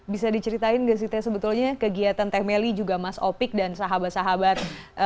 bisa diceritain nggak sih teh sebetulnya kegiatan teh meli juga mas opik dan sahabat sahabat